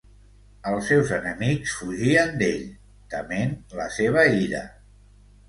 Els seus enemics fugien d'ell, tement la seva ira.